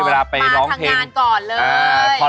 เวลาไปร้องเพลงอ๋อมาทางงานก่อนเลย